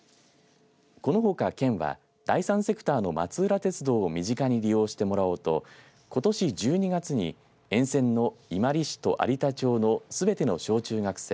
このほか、県は第三セクターの松浦鉄道を身近に利用してもらおうとことし１２月に沿線の伊万里市と有田町のすべての小、中学生